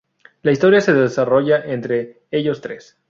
La historia se desarrolla entre ellos tres.